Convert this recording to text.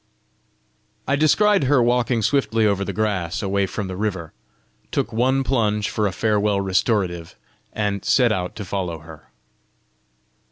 I descried her walking swiftly over the grass, away from the river, took one plunge for a farewell restorative, and set out to follow her.